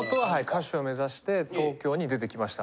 歌手を目指して東京に出てきました。